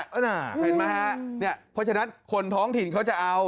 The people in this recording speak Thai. น่ะเห็นมั้ยนะนี่เพราะฉะนั้นคนท้องถิ่นเขาจะเอา